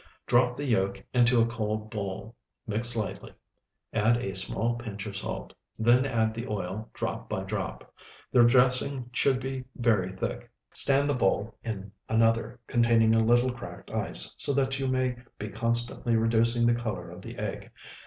Drop the yolk into a cold bowl, mix lightly, add a small pinch of salt; then add the oil drop by drop. The dressing should be very thick. Stand the bowl in another containing a little cracked ice, so that you may be constantly reducing the color of the egg.